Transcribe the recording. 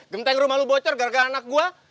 genteng rumah lu bocor gara gara anak gue